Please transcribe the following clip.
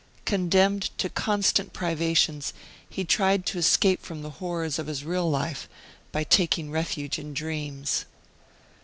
Condemned to constant privations, he tried to escape from the horrors of his real life by taking refuge in dreams.